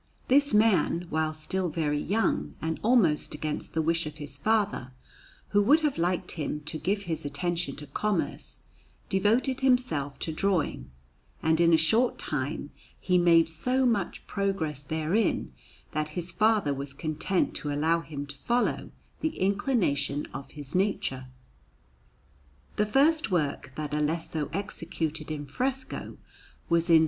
This man, while still very young, and almost against the wish of his father, who would have liked him to give his attention to commerce, devoted himself to drawing; and in a short time he made so much progress therein, that his father was content to allow him to follow the inclination of his nature. The first work that Alesso executed in fresco was in S.